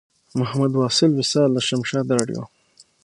محمد واصل وصال له شمشاد راډیو.